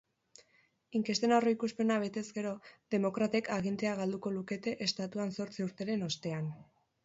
Inkesten aurreikuspena betez gero, demokratek agintea galduko lukete estatuan zortzi urteren ostean.